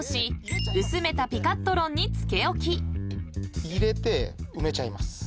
［まず］入れて埋めちゃいます。